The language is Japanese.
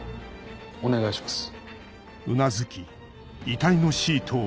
お願いします。